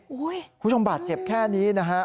คุณผู้ชมบาดเจ็บแค่นี้นะฮะ